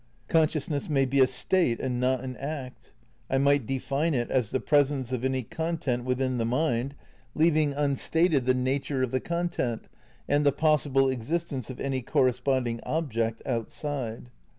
Conscious ness may be a state and not an act. I might define it as the presence of any content within the mind, leaving unstated the nature of the content and the possible ex istence of any corresponding object "outside."